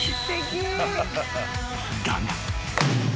［だが］